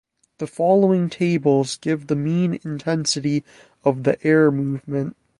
The following tables give the mean intensity of the air movement.